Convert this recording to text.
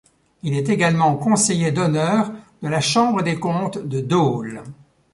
Il est également conseiller d’honneur de la chambre des comptes de Dole.